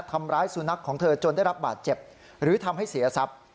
ทำร้ายสุนัขของเธอจนได้รับบาดเจ็บหรือทำให้เสียทรัพย์